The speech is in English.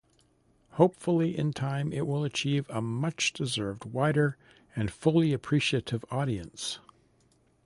Hopefully in time it will achieve a much-deserved wider and fully appreciative audience.